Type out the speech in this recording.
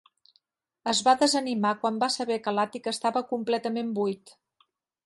Es va desanimar quan va saber que l'àtic estava completament buit.